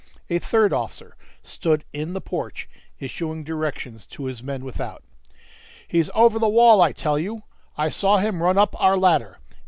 A third officer stood in the porch, issuing directions to his men without. "He's over the wall, I tell you! I saw him run up our ladder.